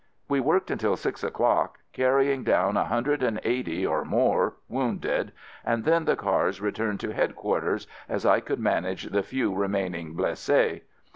We worked until six o'clock carry ing down a hundred and eighty or more wounded and then the cars returned to headquarters, as I could manage the few 48 AMERICAN AMBULANCE remaining blesses.